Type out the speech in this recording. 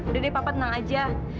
udah deh papa tenang aja